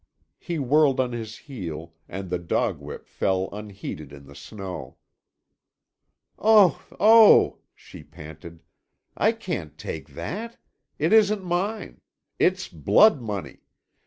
He whirled on his heel, and the dog whip fell unheeded in the snow. "Oh, oh," she panted, "I can't take that. It isn't mine. It's blood money.